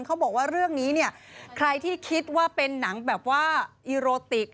เขาบอกว่าเรื่องนี้เนี่ยใครที่คิดว่าเป็นหนังแบบว่าอีโรติก